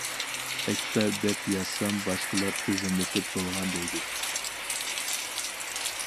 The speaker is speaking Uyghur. ئەكبەر دەپ يازسام باشقىلار تىزىملىتىپ بولغان دەيدۇ.